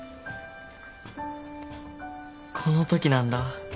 このときなんだ。